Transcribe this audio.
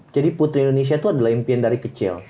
jadi putri indonesia itu adalah impian dari kecil